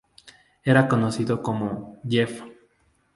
Era conocido como "Jeff".